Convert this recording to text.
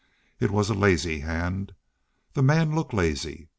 It was a lazy hand. The man looked lazy.